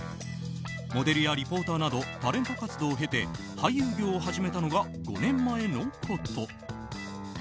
モデルやリポーターなどタレント活動を経て俳優業を始めたのが５年前のこと。